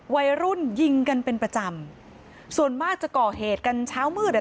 วัยรุ่นยิงกันเป็นประจำส่วนมากจะก่อเหตุกันเช้ามืดอ่ะ